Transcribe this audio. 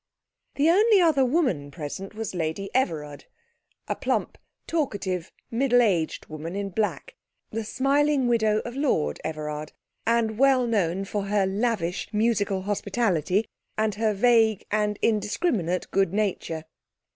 The only other woman present was Lady Everard, a plump, talkative, middle aged woman in black; the smiling widow of Lord Everard, and well known for her lavish musical hospitality and her vague and indiscriminate good nature.